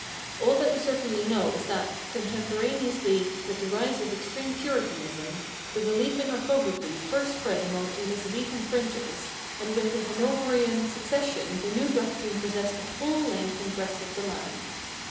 All that we certainly know is that, contemporaneously with the rise of extreme Puritanism, the belief in orthography first spread among Elizabethan printers, and with the Hanoverian succession the new doctrine possessed the whole length and breadth of the land.